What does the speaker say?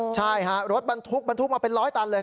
ใช่ฮะรถบรรทุกบรรทุกมาเป็นร้อยตันเลย